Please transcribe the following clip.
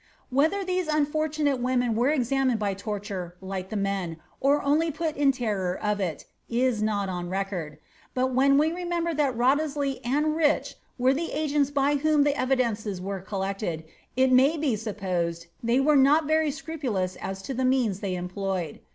Whether these unfortunate women were examined by torture, like the men, or only put in terror of it, is not on record ; but when we remember that Wriothesley and Rich were the agents by whom the evidences were collected, it may be supposed they were not very scru pulous as to the means they employed.